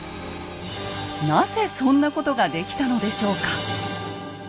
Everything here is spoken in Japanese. なぜそんなことができたのでしょうか？